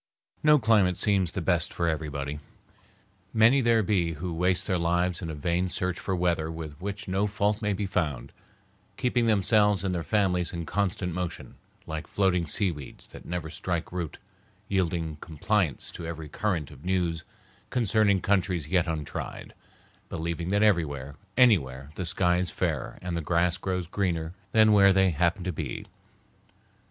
No climate seems the best for everybody. Many there be who waste their lives in a vain search for weather with which no fault may be found, keeping themselves and their families in constant motion, like floating seaweeds that never strike root, yielding compliance to every current of news concerning countries yet untried, believing that everywhere, anywhere, the sky is fairer and the grass grows greener than where they happen to be.